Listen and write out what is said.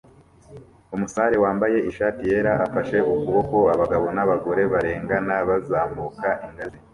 Umusare wambaye ishati yera afashe ukuboko abagabo n'abagore barengana bazamuka ingazi